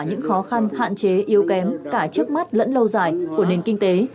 những khó khăn hạn chế yếu kém cả trước mắt lẫn lâu dài của nền kinh tế